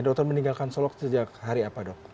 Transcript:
dokter meninggalkan solok sejak hari apa dok